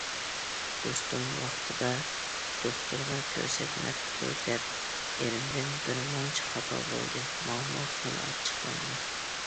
دوستۇم، ۋاقتىدا دوختۇرغا كۆرسەتمەپتۇ، دەپ ئېرىمدىن بىر مۇنچە خاپا بولدى، ماڭىمۇ خېلى ئاچچىقلاندى.